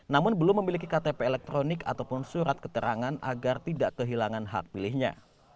namun belum memiliki ktp elektronik ataupun surat keterangan agar tidak kehilangan hak pilihnya